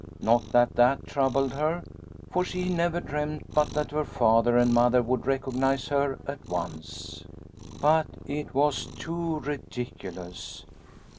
Not that that troubled her, for she never dreamt but that her Father and Mother would recognise her at once. " But it was too ridiculous